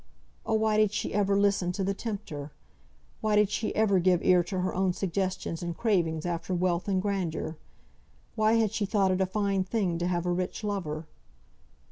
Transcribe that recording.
Oh, why did she ever listen to the tempter? Why did she ever give ear to her own suggestions, and cravings after wealth and grandeur? Why had she thought it a fine thing to have a rich lover?